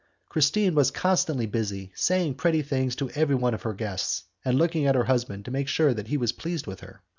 Christine was constantly busy, saying pretty things to every one of her guests, and looking at her husband to make sure that he was pleased with her.